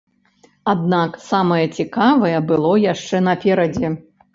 Аднак самае цікавае было яшчэ наперадзе.